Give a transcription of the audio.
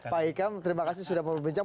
pak ikam terima kasih sudah mau berbincang